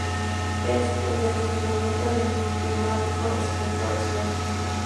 Es el deslizamiento de un neumático respecto al suelo.